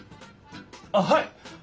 あっはい！